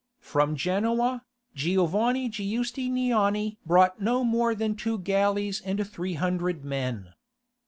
From Genoa, Giovanni Giustiniani brought no more than two galleys and three hundred men.